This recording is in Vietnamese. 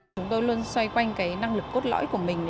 chúng tôi luôn xoay quanh năng lực cốt lõi của mình